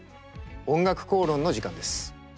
「おんがくこうろん」の時間です。